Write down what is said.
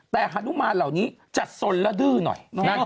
แต่ฮานุมานเหล่านี้จะสนและดื้อหน่อย